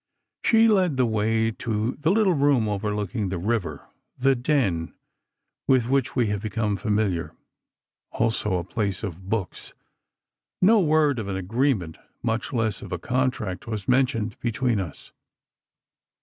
She led the way to the little room overlooking the river, the den with which we have become familiar—also a place of books. No word of an agreement, much less of a contract, was mentioned between us.